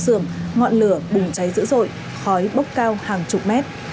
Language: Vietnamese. sưởng ngọn lửa bùng cháy dữ dội khói bốc cao hàng chục mét